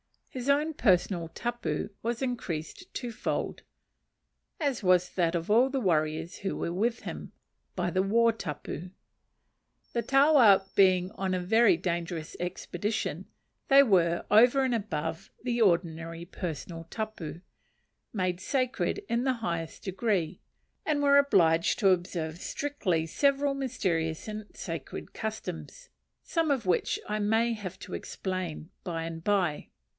His own personal tapu was increased twofold, as was that of all the warriors who were with him, by the war tapu. The taua being on a very dangerous expedition, they were, over and above the ordinary personal tapu, made sacred in the highest degree, and were obliged to observe strictly several mysterious and sacred customs; some of which I may have to explain by and by.